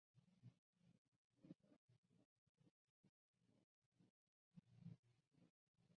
现任主编为张珑正。